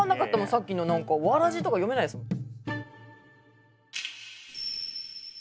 さっきの何か「わらじ」とか読めないですもん。